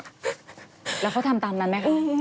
แล้วเขาทำตามนั้นไหมคะ